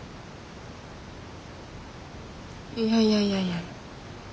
いやいやいやいや。